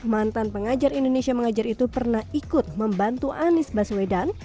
mantan pengajar indonesia mengajar itu pernah ikut membantu anies baswedan